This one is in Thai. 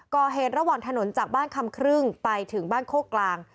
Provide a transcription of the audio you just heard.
ก่อเหตุระหว่างถนนจากบ้านคำครึ่งไปถึงบ้านโคกกลาง